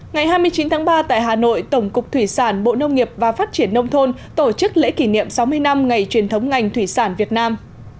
ngày hai mươi chín tháng ba tại hà nội tổng cục thủy sản bộ nông nghiệp và phát triển nông thôn tổ chức lễ kỷ niệm sáu mươi năm ngày truyền thống ngành thủy sản việt nam